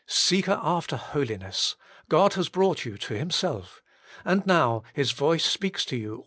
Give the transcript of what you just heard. Seekers after holiness ! God has brought you to Himself. And now His voice speaks to you.